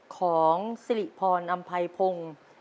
ของสิริพรอำไพพงศ์